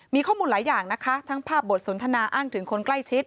มีข้อมูลหลายอย่างนะคะทั้งภาพบทสนทนาอ้างถึงคนใกล้ชิด